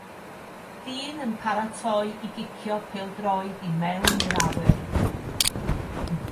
Dyn yn paratoi i gicio pêl-droed i mewn i'r awyr.